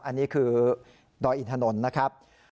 อันนี้คือดอยอินถนนนะครับ